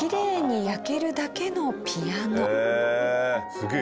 すげえ！